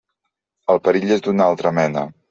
El perill és d'una altra mena.